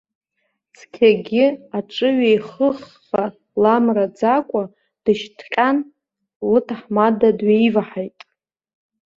Цқьагьы аҿыҩеихыхха ламраӡакәа, дышьҭҟьан, лыҭаҳмада дҩаиваҳаит.